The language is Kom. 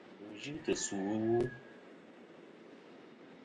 Wù n-yɨ tɨ̀ sù ɨwu.